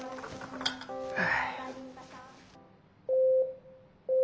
はあ。